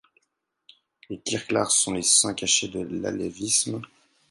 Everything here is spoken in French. Les kirklars sont les saints cachés de l'alévisme.